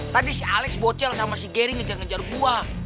tadi si alex bocel sama si garing ngejar ngejar gua